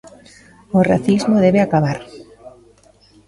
O racismo debe acabar.